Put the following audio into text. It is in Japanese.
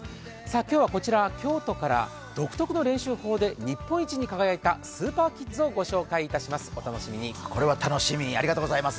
今日はこちら京都から独特の練習法で日本一に輝いたスーパーキッズをご紹介いたします、お楽しみに。